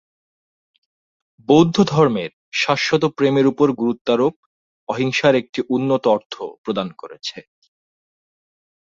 বৌদ্ধধর্মের শাশ্বত প্রেমের ওপর গুরুত্বারোপ অহিংসার একটি উন্নত অর্থ প্রদান করেছে।